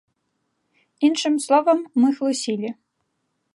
Іншым словам, мы хлусілі.